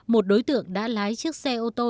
một đối tượng đã lái chiếc xe ô tô